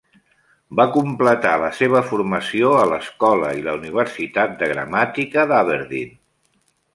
Va completar la seva formació a l"escola i la universitat de gramàtica d"Aberdeen.